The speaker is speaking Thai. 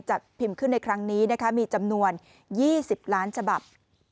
พิมพ์ขึ้นในครั้งนี้นะคะมีจำนวน๒๐ล้านฉบับ